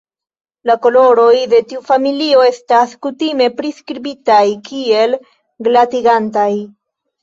La koloroj de tiu familia estas kutime priskribitaj kiel "glatigantaj".